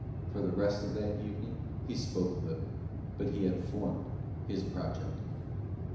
For the rest of that evening he spoke little; but he had formed his project.